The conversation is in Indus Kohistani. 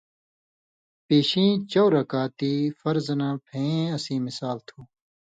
پیشی یَیں چؤر رکاتی فرضہ نہ پھیں اسیں مثال تُھو۔